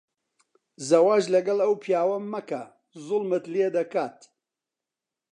زەواج لەگەڵ ئەو پیاوە مەکە. زوڵمت لێ دەکات.